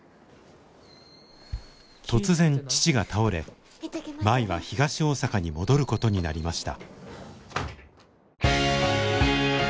突然父が倒れ舞は東大阪に戻ることになりました。